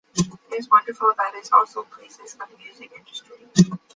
It's wonderful that it also pleases the music industry.